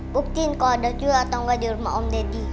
buktiin kalau ada tuyul atau gak di rumah om deddy